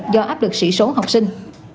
do áp lực sỉ số học sinh